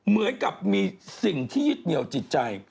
เหมือนกับมีสิ่งที่ยึดเหนียวจิตใจ